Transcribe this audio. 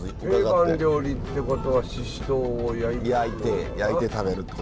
定番料理ってことはししとうを焼いて食うのかな？